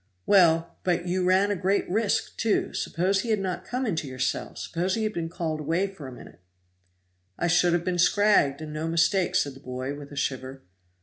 "Well! but you ran a great risk, too. Suppose he had not come into your cell suppose he had been called away for a minute." "I should have been scragged, and no mistake," said the boy, with a shiver.